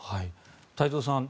太蔵さん